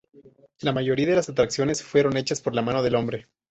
La mayoría de las atracciones fueron hechas por la mano del hombre.